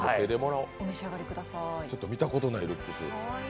ちょっと見たことないルックス。